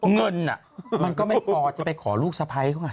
เงินน่ะมันก็ไม่ป่อจะไปขอลูกสะพ้ายเขาอ่ะ